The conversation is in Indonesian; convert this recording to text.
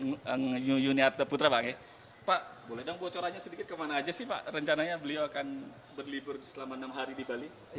pak boleh dong bocorannya sedikit kemana aja sih pak rencananya beliau akan berlibur selama enam hari di bali